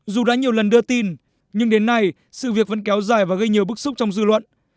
dù đã nhiều lần đưa tin nhưng đến nay sự việc vẫn kéo dài và gây nhiều bức xúc trong dư luận